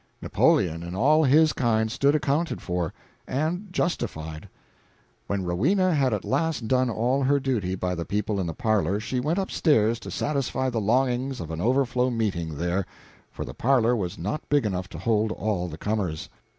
Napoleon and all his kind stood accounted for and justified. When Rowena had at last done all her duty by the people in the parlor, she went up stairs to satisfy the longings of an overflow meeting there, for the parlor was not big enough to hold all the comers.